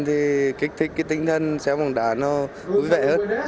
thì kích thích cái tinh thần xé bóng đá nó vui vẻ hơn